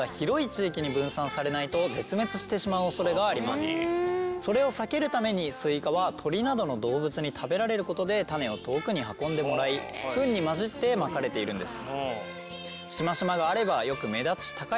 スイカの原産地であるそれをさけるためにスイカは鳥などの動物に食べられることで種を遠くに運んでもらいフンに混じってまかれているんです。